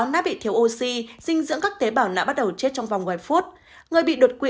não bị thiếu oxy dinh dưỡng các tế bào não bắt đầu chết trong vòng vài phút người bị đột quỵ